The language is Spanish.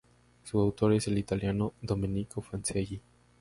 Su autor es el italiano Domenico Fancelli.